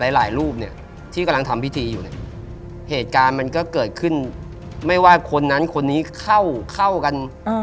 หลายรูปเนี่ยที่กำลังทำพิธีอยู่เนี่ยเหตุการณ์มันก็เกิดขึ้นไม่ว่าคนนั้นคนนี้เข้าเข้ากัน